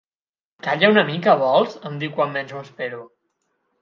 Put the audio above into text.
Calla una mica, vols? —em diu quan menys m'ho espero.